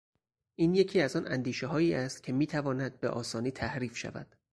این یکی از آن اندیشههایی است که میتواند به آسانی تحریف شود